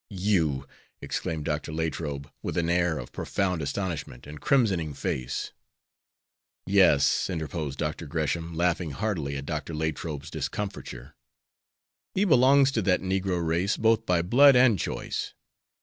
"You!" exclaimed Dr. Latrobe, with an air of profound astonishment and crimsoning face. "Yes;" interposed Dr. Gresham, laughing heartily at Dr. Latrobe's discomfiture. "He belongs to that negro race both by blood and choice.